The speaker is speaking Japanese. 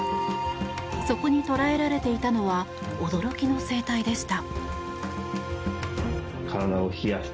そこに捉えられていたのは驚きの生態でした。